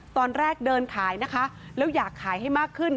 ตอนแรกเดินขายนะคะแล้วอยากขายให้มากขึ้น